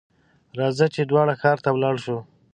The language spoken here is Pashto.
راځه ! چې دواړه ښار ته ولاړ شو.